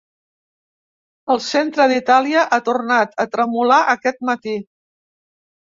El centre d’Itàlia ha tornat a tremolar aquest matí.